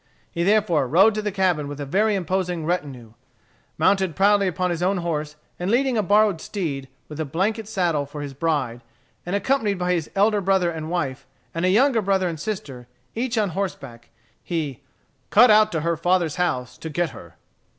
He therefore rode to the cabin with a very imposing retinue. Mounted proudly upon his own horse, and leading a borrowed steed, with a blanket saddle, for his bride, and accompanied by his elder brother and wife and a younger brother and sister, each on horseback, he "cut out to her father's house to get her."